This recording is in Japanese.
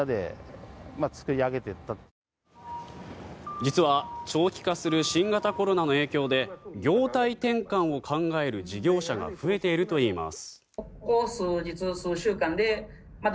実は長期化する新型コロナの影響で業態転換を考える事業者が増えています。